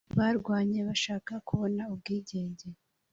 barwanye bashaka kubona ubwigenge